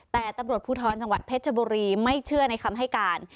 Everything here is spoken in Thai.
แต่ตำรวจภูทรจังหวัดเพชรบุรีไม่เชื่อในคำให้การ